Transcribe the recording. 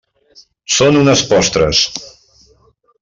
Són unes postres.